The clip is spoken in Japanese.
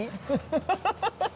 ハハハッ！